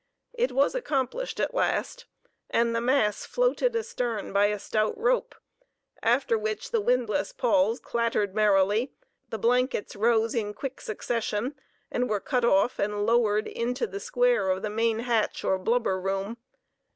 It was accomplished at last, and the mass floated astern by a stout rope, after which the windlass pawls clattered merrily, the "blankets" rose in quick succession, and were cut off and lowered into the square of the main hatch or "blubber room."